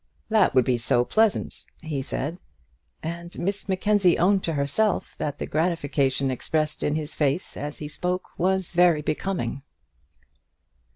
"That would be so pleasant," he said; and Miss Mackenzie owned to herself that the gratification expressed in his face as he spoke was very becoming.